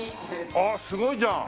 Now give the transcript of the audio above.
ああすごいじゃん！